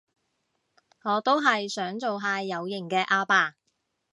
我都係想做下有型嘅阿爸